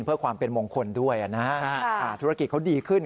เพื่อความเป็นมงคลด้วยนะฮะธุรกิจเขาดีขึ้น